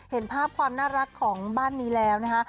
เห็นภาพความน่ารักของบ้านนี้แล้วนะคะ